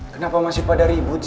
kenapa masih pada ribut